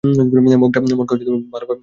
মটকা ভালোভাবে ভেঙ্গে নেই।